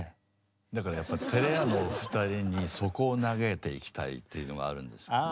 だからやっぱてれ屋のお二人にそこを投げていきたいっていうのがあるんでしょうね。